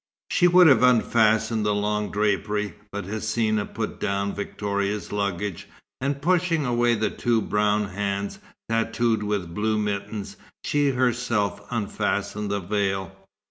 She would have unfastened the long drapery, but Hsina put down Victoria's luggage, and pushing away the two brown hands, tattooed with blue mittens, she herself unfastened the veil.